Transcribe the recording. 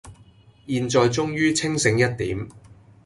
現在終於清醒一點